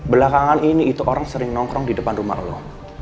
belakangan ini itu orang sering nongkrong di depan rumah allah